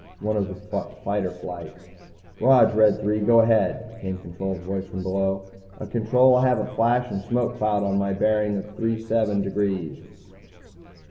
One of the fighter flight. "Rog, Red Three, go ahead," came Control's voice from below. "Uh, Control, I have a flash and smoke cloud on a bearing of three seven degrees."